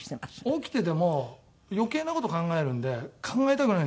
起きてても余計な事考えるんで考えたくないんですよね。